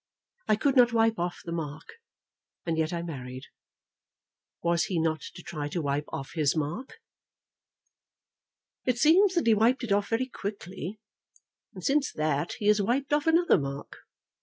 I could not wipe off the mark, and yet I married. Was he not to try to wipe off his mark?" "It seems that he wiped it off very quickly; and since that he has wiped off another mark.